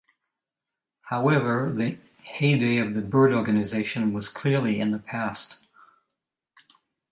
However, the heyday of the Byrd Organization was clearly in the past.